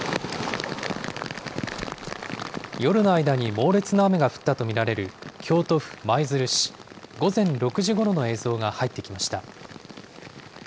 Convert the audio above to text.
夜の間に猛烈な雨が降ったと見られる京都府舞鶴市、午前６時ごろの映像が入ってきました。